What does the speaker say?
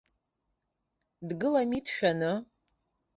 Дгылами дшәаны.